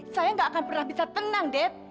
saya nggak akan pernah bisa tenang deb